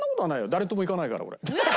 誰とも行かないから俺。